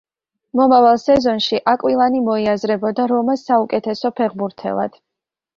მომავალ სეზონში აკვილანი მოიაზრებოდა რომას საუკეთესო ფეხბურთელად.